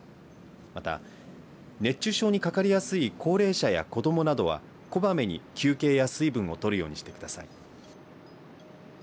また熱中症にかかりやすい高齢者や子どもなどはこまめに休憩や水分をとるようにしてください。